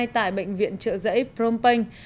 tại bệnh viện trợ giấy brompenh